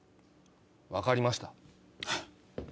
分かりました。